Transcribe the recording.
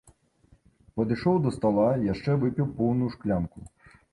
Падышоў да стала, яшчэ выпіў поўную шклянку.